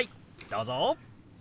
どうぞ。